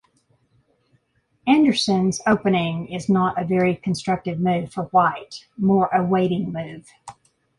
Anderssen's Opening is not a very constructive move for White, more a waiting move.